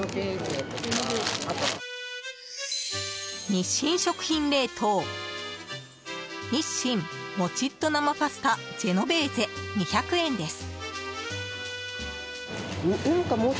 日清食品冷凍日清もちっと生パスタジェノベーゼ、２００円です。